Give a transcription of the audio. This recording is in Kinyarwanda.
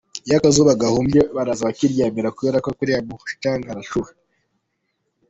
Iyo akazuba gahumbye, baraza bakiryamira kuko ubundi kuri uriya mucanga harashyuha.